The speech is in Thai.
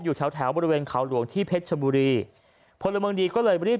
อยู่แถวแถวบริเวณเขาหลวงที่เพชรชบุรีพลเมืองดีก็เลยรีบ